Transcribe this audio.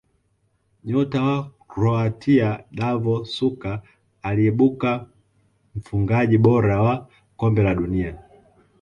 nyota wa croatia davor suker aliibuka mfungaji bora wa kombe la dunia